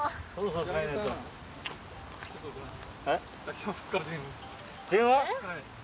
はい？